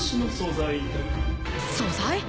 素材？